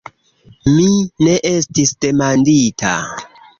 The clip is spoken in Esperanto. Mi ne estis demandita.